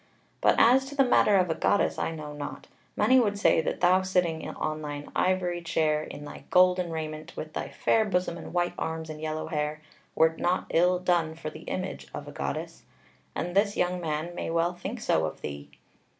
But as to the matter of a goddess, I know not. Many would say that thou sitting on thine ivory chair in thy golden raiment, with thy fair bosom and white arms and yellow hair, wert not ill done for the image of a goddess; and this young man may well think so of thee.